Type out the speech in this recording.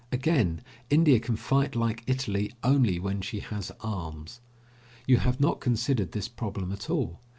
Again, India can fight like Italy only when she has arms. You have not considered this problem at all.